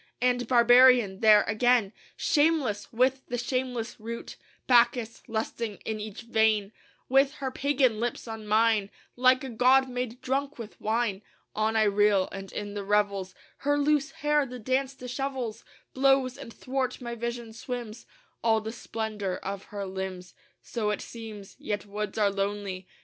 And barbarian there again, Shameless with the shameless rout, Bacchus lusting in each vein, With her pagan lips on mine, Like a god made drunk with wine, On I reel; and in the revels Her loose hair, the dance dishevels, Blows, and 'thwart my vision swims All the splendor of her limbs.... So it seems. Yet woods are lonely.